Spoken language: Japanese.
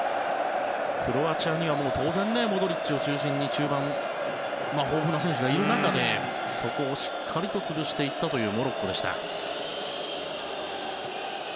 クロアチアには当然、モドリッチを中心に中盤に豊富な選手がいる中でそこをしっかりと潰していったモロッコでした。